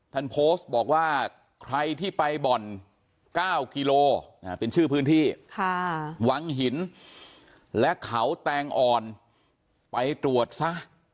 ท่านโพสต์บอกว่าใครที่ไปบ่อน๙กิโลเป็นชื่อพื้นที่วังหินและเขาแตงอ่อนไปตรวจซะ